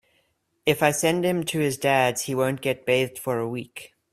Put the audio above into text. If I send him to his Dad’s he won’t get bathed for a week.